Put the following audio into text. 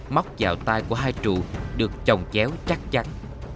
móc vào tai của hai trụ được chồng chéo chắc chắn